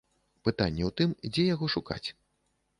Пытанне ў тым, дзе яго шукаць.